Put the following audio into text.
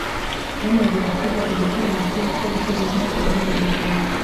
bamaze gusiga igico mu misozi cyogutega yonatani baragenda